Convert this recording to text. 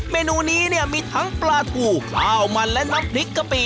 เมนูนี้เนี่ยมีทั้งปลาทูข้าวมันและน้ำพริกกะปิ